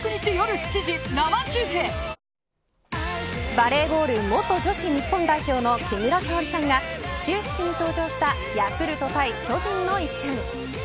バレーボール元女子日本代表の木村沙織さんが始球式に登場したヤクルト対巨人の一戦。